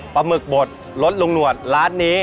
ปลาหมึกบทรสลุงหนวดร้านนี้